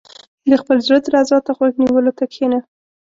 • د خپل زړۀ درزا ته غوږ نیولو ته کښېنه.